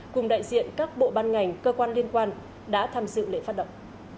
cùng đại diện các bộ ban ngành cơ quan liên quan đã tham dự lễ phát động